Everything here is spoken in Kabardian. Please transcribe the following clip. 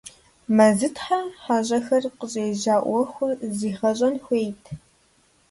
Мэзытхьэ хьэщӀэхэр къыщӀежьа Ӏуэхур зригъэщӀэн хуейт.